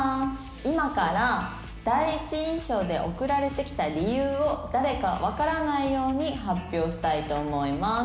今から第一印象で送られてきた理由を誰かわからないように発表したいと思います」